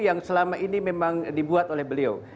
yang selama ini memang dibuat oleh beliau